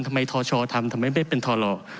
ทำไมทชทำทำไมไม่เป็นทอหล่อ